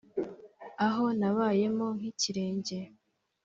aho nabayemo nk'ikirenge